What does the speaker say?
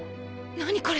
何これ！？